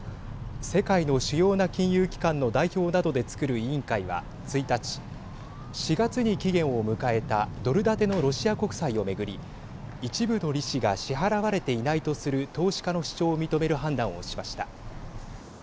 世界の主要な金融機関の代表などでつくる委員会は１日、４月に期限を迎えたドル建てのロシア国債をめぐり一部の利子が支払われていないとする投資家の主張を認める判断をしました。